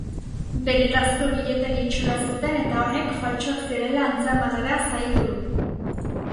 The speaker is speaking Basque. Benetazko billeteen itxura zuten eta horrek faltsuak zirela antzematea zaildu du.